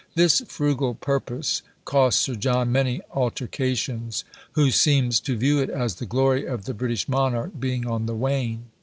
"This frugal purpose" cost Sir John many altercations, who seems to view it as the glory of the British monarch being on the wane.